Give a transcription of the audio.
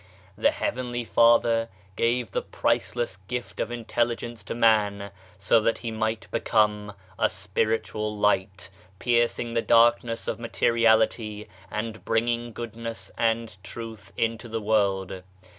The Heavenly Father gave the priceless gift of in telligence to man so that he might become a spiritual light, piercing the darkness of materiality, and bringing Goodness and Truth into the world.